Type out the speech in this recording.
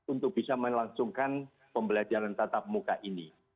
untuk bisa melangsungkan pembelajaran tatap muka ini